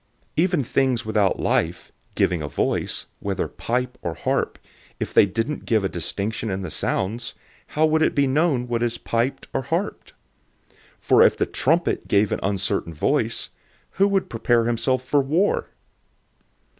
014:007 Even things without life, giving a voice, whether pipe or harp, if they didn't give a distinction in the sounds, how would it be known what is piped or harped? 014:008 For if the trumpet gave an uncertain sound, who would prepare himself for war?